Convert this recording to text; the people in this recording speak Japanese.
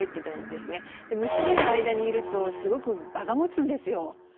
娘が間にいるとすごく場がもつんですよ。